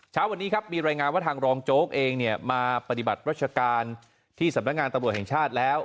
เช้าวันนี้ครับมีรายงานว่าทางรองโจ๊กเองเนี่ยมาปฏิบัติรัชการที่สำนักงานตำรวจแห่งชาติแล้ว